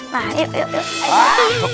nah yuk yuk yuk